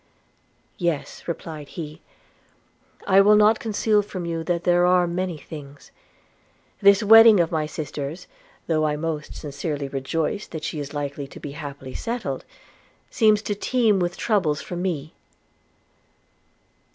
'Yes,' replied he; 'I will not conceal from you that there are many things. This wedding of my sister's, though I most sincerely rejoice that she is likely to be happily settled, seems to teem with troubles for me.'